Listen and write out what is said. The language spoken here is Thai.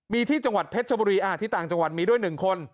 มีที่จังหวัดเพชรชบุรีที่ต่างจังหวัดมีด้วย๑คน